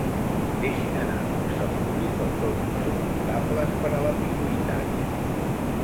Deixin anar uns efluvis del tot insuportables per a la pituïtària.